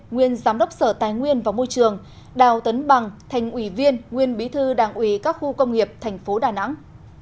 nguyên giám đốc sở tài nguyên và môi trường đào tấn bằng thành ủy viên nguyên bí thư đảng ủy các khu công nghiệp tp đà nẵng